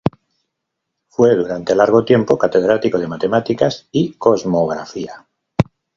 Fue durante largo tiempo catedrático de matemáticas y cosmografía.